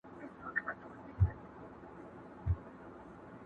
او په کلي کي مېلمه یې پر خپل کور کړي!.